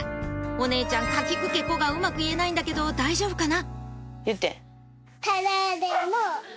お姉ちゃん「かきくけこ」がうまく言えないんだけど大丈夫かな？